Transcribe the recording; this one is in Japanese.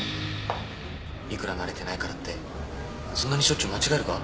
いくら慣れてないからってそんなにしょっちゅう間違えるか？